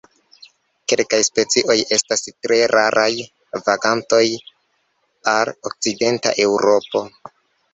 Kelkaj specioj estas tre raraj vagantoj al okcidenta Eŭropo.